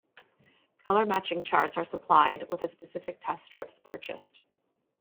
Colour matching charts are supplied with the specific test strips purchased.